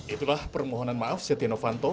itulah permohonan maaf siano fanto